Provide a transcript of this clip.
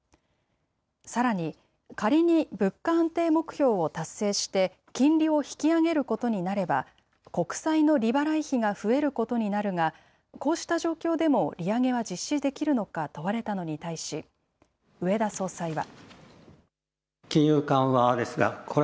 さらに仮に物価安定目標を達成して金利を引き上げることになれば国債の利払い費が増えることになるがこうした状況でも利上げは実施できるのか問われたのに対し植田総裁は。